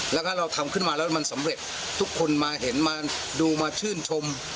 แล้วก็เราทำขึ้นมาแล้วมันสำเร็จทุกคนมาเห็นมาดูมาชื่นชม